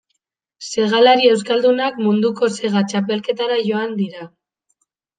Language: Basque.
Segalari euskaldunak munduko sega txapelketara joan dira.